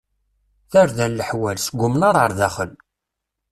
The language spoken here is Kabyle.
Tarda n leḥwal, seg umnaṛ ar daxel.